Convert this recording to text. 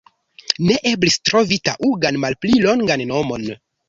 Ne eblis trovi taŭgan malpli longan nomon.